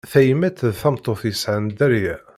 Tayemmat d tameṭṭut yesɛan dderya.